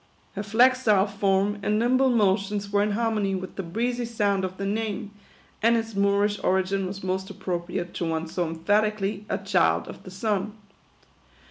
Her flexile form and nimble motions were in harmony with the breezy sound of the name ; and its Moorish origin was most appropriate to one so emphatically " a child of the sun."